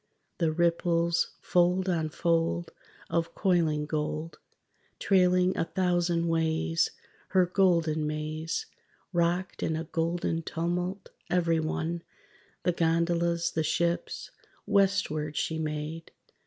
The ripples, fold on fold Of coiling gold, Trailing a thousand ways Her golden maze, Rocked in a golden tumult, every one, The gondolas, the ships .. Westward she made